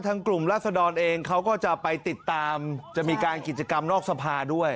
กลุ่มราศดรเองเขาก็จะไปติดตามจะมีการกิจกรรมนอกสภาด้วย